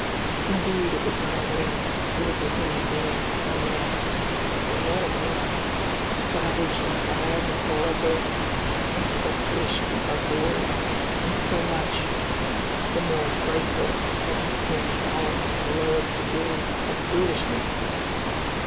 Indeed it was not an ape; it was a human being, a man. But what a man! A savage in all the horrible acceptation of the word, and so much the more frightful that he seemed fallen to the lowest degree of brutishness!